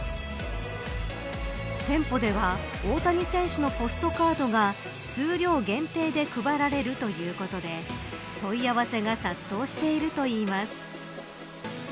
店舗では大谷選手のポストカードが数量限定で配られるということで問い合わせが殺到しているといいます。